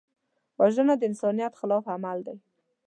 وژنه د انسانیت خلاف عمل دی